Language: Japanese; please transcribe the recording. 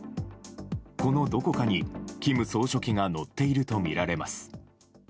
このどこかに、キム総書記が乗っていると見られます。